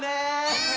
はい！